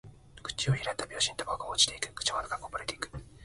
口を開いた拍子にタバコが落ちていく。口元からこぼれていく。